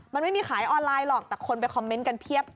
มันไม่มีขายออนไลน์หรอกแต่คนไปคอมเมนต์กันเพียบ